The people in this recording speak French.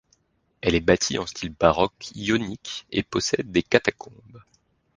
Elle est bâtie en style baroque ionique et possède des catacombes.